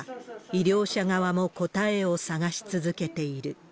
医療者側も答えを探し続けている。